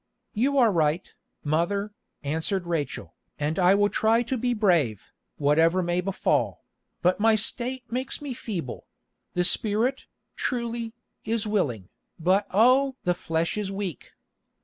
"You are right, mother," answered Rachel, "and I will try to be brave, whatever may befall; but my state makes me feeble. The spirit, truly, is willing, but oh! the flesh is weak.